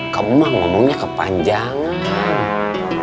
kemang ngomongnya kepanjangan